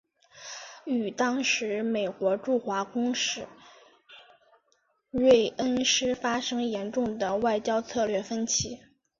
与当时美国驻华公使芮恩施发生严重的外交策略分歧。